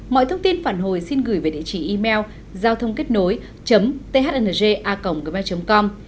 mọi thông tin phản hồi xin gửi về địa chỉ email giao thôngkếtnối thnga gmail com